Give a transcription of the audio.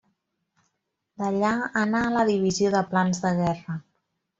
D'allà anà a la Divisió de Plans de Guerra.